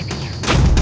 aku akan menang